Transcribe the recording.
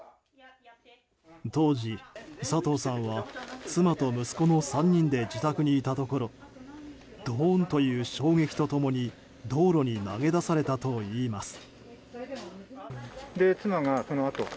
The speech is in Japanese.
当時、佐藤さんは妻と息子の３人で自宅にいたところドーンという衝撃と共に道路に投げ出されたといいます。